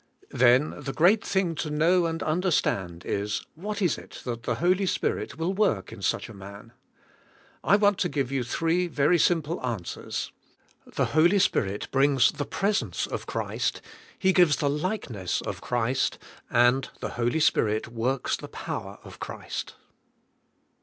Then the g reat thing to know and understand is, what is it that the Holy Spirit will work in such a man? I want to give you three very sim^ple answers. The Holy Spirit bring s the pres ence of Christ; He gives the likeness of Christ, and the Holy Spirit works the power of Christ.